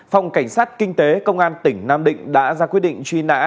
phòng cảnh sát kinh tế công an tỉnh nam định đã ra quyết định truy nã